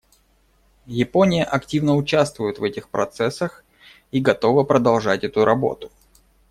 Япония активно участвует в этих процессах и готова продолжать эту работу.